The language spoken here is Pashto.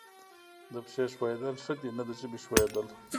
د پښې ښویېدل ښه دي نه د ژبې ښویېدل.